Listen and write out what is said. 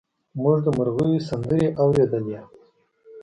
موږ د مرغیو سندرې اورېدلې.